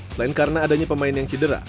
selain karena adanya pemain yang cedera